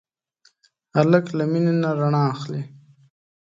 هلک له مینې نه رڼا اخلي.